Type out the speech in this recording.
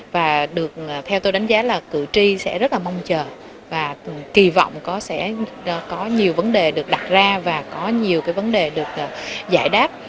và được theo tôi đánh giá là cử tri sẽ rất là mong chờ và kỳ vọng sẽ có nhiều vấn đề được đặt ra và có nhiều cái vấn đề được giải đáp